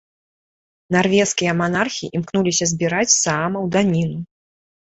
Нарвежскія манархі імкнуліся збіраць з саамаў даніну.